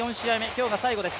今日が最後です。